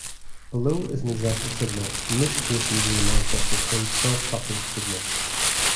Below is an example signal, in this case using the Manchester code self-clocking signal.